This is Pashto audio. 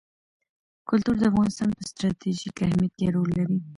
کلتور د افغانستان په ستراتیژیک اهمیت کې رول لري.